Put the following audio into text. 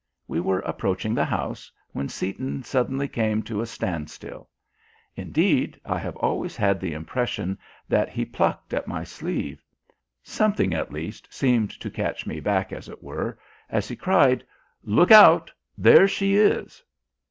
We were approaching the house when Seaton suddenly came to a standstill. Indeed, I have always had the impression that he plucked at my sleeve. Something, at least, seemed to catch me back, as it were, as he cried, "Look out, there she is!"